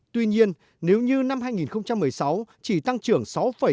tuy nhiên nếu như năm hai nghìn một mươi sáu chỉ tăng trưởng sáu hai mươi một